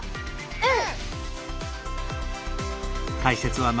うん！